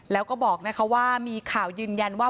แล้วก็บอกว่ามีข่าวยืนยันว่า